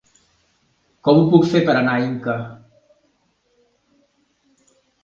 Com ho puc fer per anar a Inca?